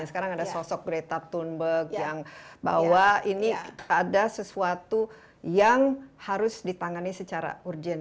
sekarang ada sosok breta tunberg yang bahwa ini ada sesuatu yang harus ditangani secara urgent